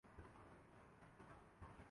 ہم نہ جرمنی ہیں۔